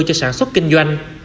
cho sản xuất kinh doanh